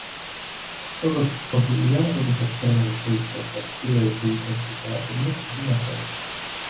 როგორც ცნობილია, როდესაც ჰერმანი შეიპყრეს და ფიურერბუნკერში დააბრუნეს, იგი ნასვამი იყო.